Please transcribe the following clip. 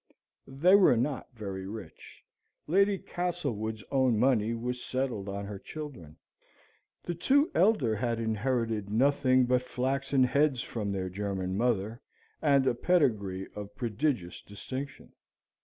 They were not very rich; Lady Castlewood's own money was settled on her children. The two elder had inherited nothing but flaxen heads from their German mother, and a pedigree of prodigious distinction.